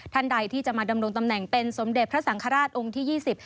ท่านใดที่จะมาดำรงตำแหน่งเป็นสมเด็จพระสังฆราชองค์ที่ยี่สิบ